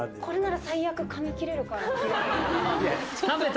これなら最悪かみ切れるかな。